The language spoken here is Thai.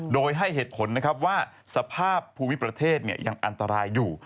โดยให้เหตุผลนะครับว่าสภาพภูมิประเทศยังอันตรายอยู่